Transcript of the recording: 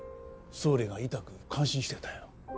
総理がいたく感心してたよ。